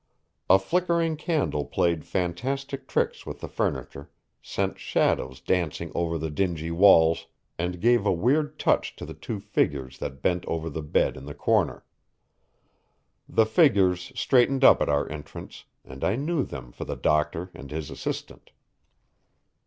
A flickering candle played fantastic tricks with the furniture, sent shadows dancing over the dingy walls, and gave a weird touch to the two figures that bent over the bed in the corner. The figures straightened up at our entrance, and I knew them for the doctor and his assistant.